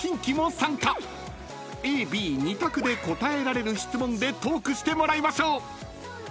［Ａ・Ｂ２択で答えられる質問でトークしてもらいましょう］